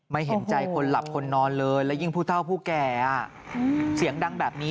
เห็นใจคนหลับคนนอนเลยและยิ่งผู้เท่าผู้แก่เสียงดังแบบนี้